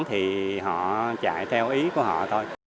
thì họ chạy theo ý của họ thôi